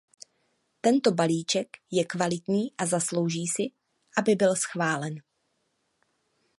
Tento balíček je kvalitní a zaslouží si, aby byl schválen.